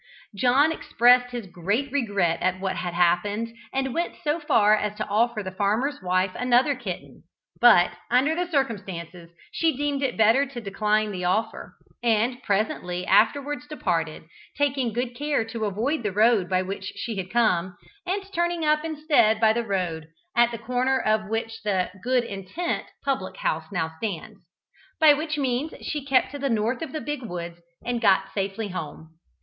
John expressed his great regret at what had happened, and went so far as to offer the farmer's wife another kitten, but, under the circumstances, she deemed it better to decline the offer; and, presently afterwards departed, taking good care to avoid the road by which she had come, and turning up instead by the road, at the corner of which the "Good Intent" public house now stands; by which means she kept to the north of the big woods, and got safely home.